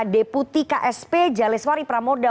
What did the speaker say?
deputi ksp jaleswari pramoda